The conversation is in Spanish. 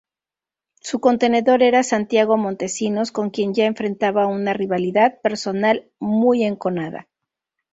Su contendor era Santiago Montesinos, con quien ya enfrentaba una rivalidad personal muy enconada.